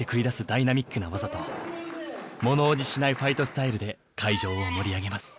ダイナミックな技とものおじしないファイトスタイルで会場を盛り上げます。